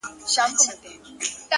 o نو گراني ته چي زما قدم باندي ـ